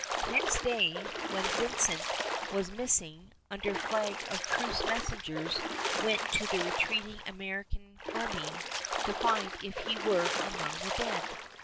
Next day, when Vincent was missing, under flag of truce messengers went to the retreating American army to find if he were among the dead.